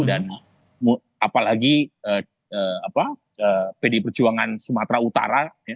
dan apalagi pd perjuangan sumatera utara